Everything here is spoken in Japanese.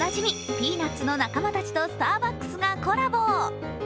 ＰＥＡＮＵＴＳの仲間たちとスターバックスがコラボ。